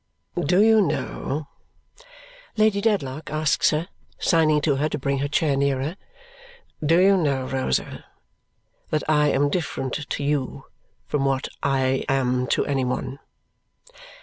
"Do you know," Lady Dedlock asks her, signing to her to bring her chair nearer, "do you know, Rosa, that I am different to you from what I am to any one?"